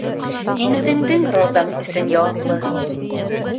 Һин үҙеңдең розаң өсөн яуаплы.